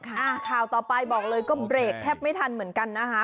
ข่าวต่อไปบอกเลยก็เบรกแทบไม่ทันเหมือนกันนะคะ